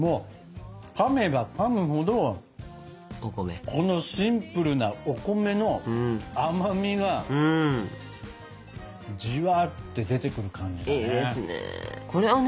かめばかむほどこのシンプルなお米の甘みがじわって出てくる感じだね。